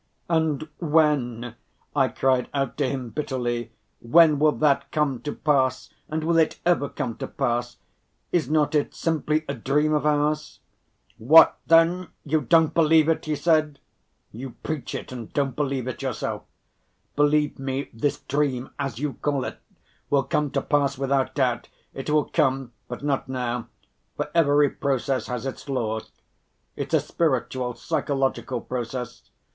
"And when," I cried out to him bitterly, "when will that come to pass? and will it ever come to pass? Is not it simply a dream of ours?" "What then, you don't believe it," he said. "You preach it and don't believe it yourself. Believe me, this dream, as you call it, will come to pass without doubt; it will come, but not now, for every process has its law. It's a spiritual, psychological process.